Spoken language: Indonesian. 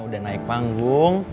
udah naik panggung